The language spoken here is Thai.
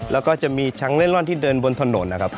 แล้วก็จะมีช้างเล่นร่อนที่เดินบนถนนนะครับ